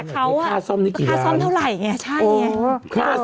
ขอให้จ่าย